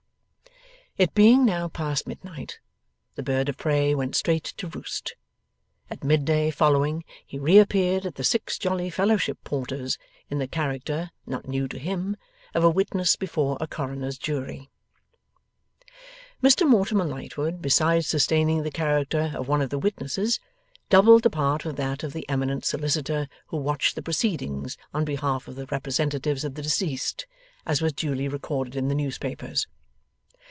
It being now past midnight, the bird of prey went straight to roost. At mid day following he reappeared at the Six Jolly Fellowship Porters, in the character, not new to him, of a witness before a Coroner's Jury. Mr Mortimer Lightwood, besides sustaining the character of one of the witnesses, doubled the part with that of the eminent solicitor who watched the proceedings on behalf of the representatives of the deceased, as was duly recorded in the newspapers.